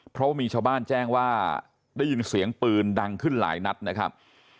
เพราะว่ามีชาวบ้านแจ้งว่าได้ยินเสียงปืนดังขึ้นหลายนัดนะครับ